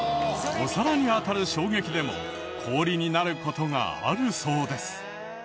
お皿に当たる衝撃でも氷になる事があるそうです。